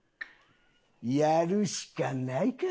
やるしかないか。